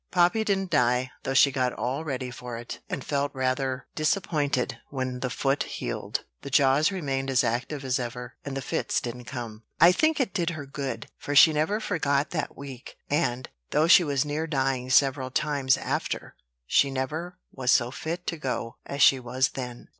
Poppy didn't die, though she got all ready for it; and felt rather disappointed when the foot healed, the jaws remained as active as ever, and the fits didn't come. I think it did her good; for she never forgot that week, and, though she was near dying several times after, she never was so fit to go as she was then.